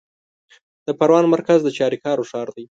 د پروان مرکز د چاریکارو ښار دی